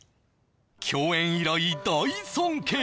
共演以来大尊敬